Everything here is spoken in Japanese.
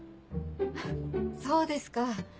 そうですか。